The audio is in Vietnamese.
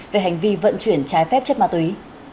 về hành vi vận chuyển trái phép chất ma túy